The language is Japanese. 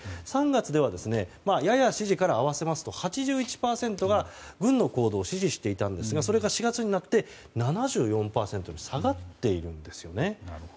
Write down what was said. ３月ではやや支持から合わせますと８１％が軍の行動を支持していたんですがそれが４月になって７４％に下がっているんですよね。